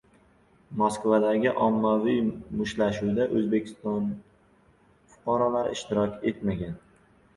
Moskvadagi ommaviy mushtlashuvda O‘zbekiston fuqarolari ishtirok etmagan